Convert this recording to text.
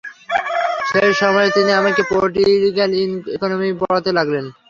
সেই সময় তিনি আমাকে পোলিটিক্যাল ইকনমি পড়াতে লাগলেন।